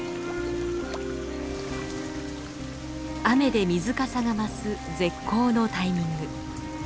雨で水かさが増す絶好のタイミング。